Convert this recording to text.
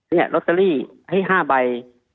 นี่ลอตเตอรี่ให้๕ใบ